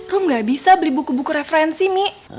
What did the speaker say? rum nggak bisa beli buku buku referensi mi